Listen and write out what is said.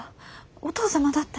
お義父様だって。